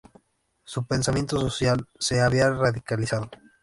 Su pensamiento social se había radicalizado.